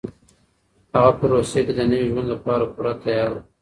هغه په روسيه کې د نوي ژوند لپاره پوره تيار و.